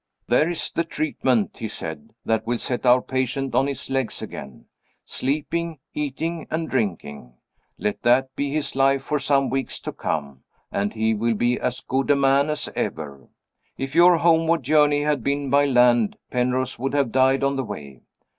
"There is the treatment," he said, "that will set our patient on his legs again. Sleeping, eating, and drinking let that be his life for some weeks to come, and he will be as good a man as ever. If your homeward journey had been by land, Penrose would have died on the way.